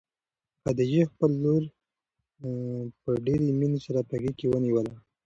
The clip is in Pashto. خدیجې خپله لور په ډېرې مینې سره په غېږ کې ونیوله.